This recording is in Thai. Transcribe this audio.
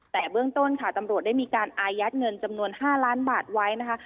แต่เบื้องต้นค่ะตำรวจได้มีการอายัดเงินจำนวน๕ล้านบาทไว้นะคะ